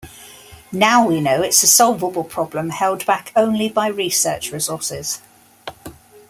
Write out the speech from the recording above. Now we know it's a solvable problem held back only by research resources.